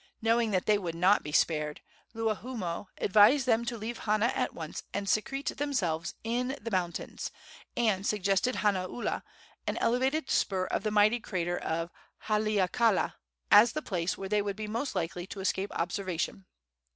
Knowing that they would not be spared, Luahoomoe advised them to leave Hana at once and secrete themselves in the mountains, and suggested Hanaula, an elevated spur of the mighty crater of Haleakala, as the place where they would be most likely to escape observation.